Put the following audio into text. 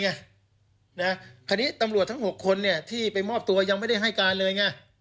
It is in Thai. คราวนี้ตำรวจทั้ง๖คนที่ไปมอบตัวยังไม่ได้ให้การเลยไง